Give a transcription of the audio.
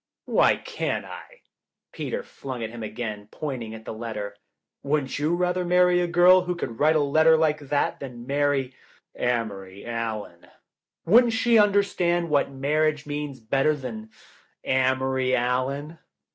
"Why can't I?" Peter flung at him again, pointing at the letter. "Wouldn't you rather marry a girl who could write a letter like that than to marry — Amory Allen? Wouldn't she understand what marriage means better than — Amory Allen?